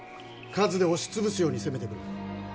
数で押しつぶすように攻めてくる。